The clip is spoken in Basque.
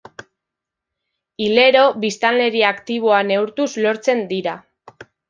Hilero biztanleria aktiboa neurtuz lortzen dira.